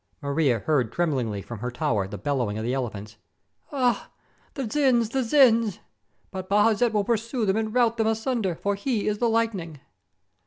Maria heard tremblingly from her tower the bellowing of the elephants. "Ah! the Dzins, the Dzins! But Bajazet will pursue them and rout them asunder, for he is the 'lightning.'"